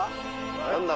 何だ？